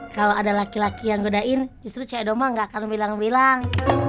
kalau ada laki laki yang godain justru cek doma gak akan bilang bilang